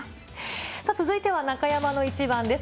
続いては中山のイチバンです。